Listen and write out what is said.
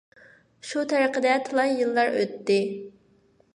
شۇ تەرىقىدە تالاي يىللار ئۆتتى.